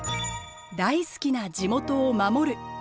大好きな地元を守る。